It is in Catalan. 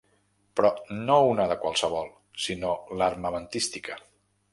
Però no una de qualsevol, sinó l’armamentística.